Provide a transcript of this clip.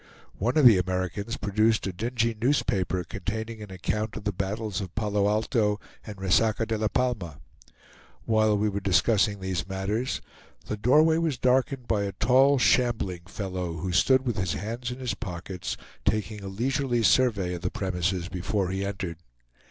One of the Americans produced a dingy newspaper, containing an account of the battles of Palo Alto and Resaca de la Palma. While we were discussing these matters, the doorway was darkened by a tall, shambling fellow, who stood with his hands in his pockets taking a leisurely survey of the premises before he entered.